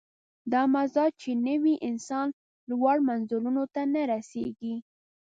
دا مزاج چې نه وي، انسان لوړو منزلونو ته نه رسېږي.